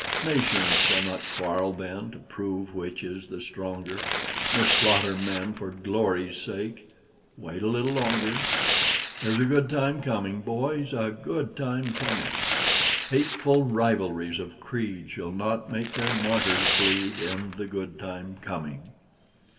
Nations shall not quarrel then, To prove which is the stronger; Nor slaughter men for glory's sake; Wait a little longer. There's a good time coming, boys, A good time coming: Hateful rivalries of creed Shall not make their martyrs bleed In the good time coming.